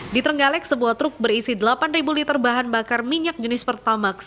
di trenggalek sebuah truk berisi delapan liter bahan bakar minyak jenis pertamax